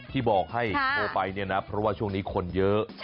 ที่บอกให้โทรไปเนี่ยนะเพราะว่าช่วงนี้คนเยอะ